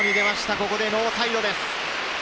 ここでノーサイドです。